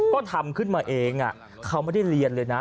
ก็ทำขึ้นมาเองเขาไม่ได้เรียนเลยนะ